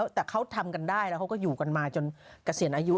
แต่เขาทำกันได้แล้วเขาก็อยู่กันมาจนเกษียณอายุ